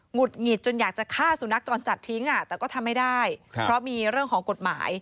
ุดหงิดจนอยากจะฆ่าสุนัขจรจัดทิ้งแต่ก็ทำไม่ได้เพราะมีเรื่องของกฎหมาย